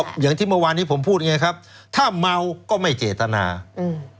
ก็อย่างที่เมื่อวานที่ผมพูดอย่างเงี้ยครับถ้าเมาก็ไม่เจตนาอืม